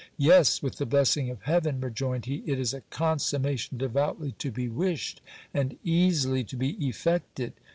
Yes ! with the blessing of Heaven, rejoined he, it is a consummation devoutly to be wished, and easily to be effected.